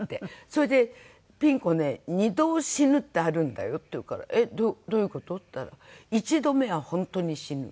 それで「ピン子ね二度死ぬってあるんだよ」って言うから「えっどういう事？」って言ったら一度目は本当に死ぬ。